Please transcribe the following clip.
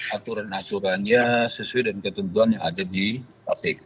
aturan aturannya sesuai dengan ketentuan yang ada di kpk